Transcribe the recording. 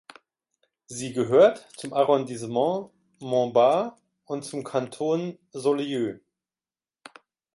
Sie gehört zum Arrondissement Montbard und zum Kanton Saulieu.